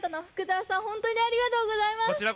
福澤さんほんとうにありがとうございます。